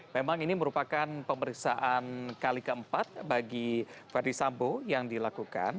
memang ini merupakan pemeriksaan kali keempat bagi ferdisambo yang dilakukan